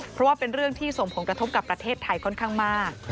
เพราะว่าเป็นเรื่องที่ส่งผลกระทบกับประเทศไทยค่อนข้างมาก